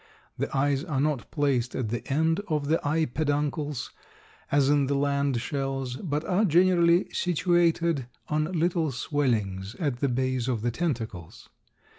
The eyes are not placed at the end of the eye peduncles, as in the land shells, but are generally situated on little swellings at the base of the tentacles.